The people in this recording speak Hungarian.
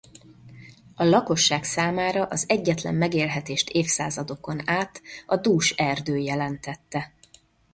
A lakosság számára az egyetlen megélhetést évszázadokon át a dús erdő jelentette.